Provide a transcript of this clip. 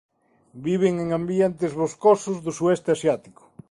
Viven en ambientes boscosos do sueste Asiático.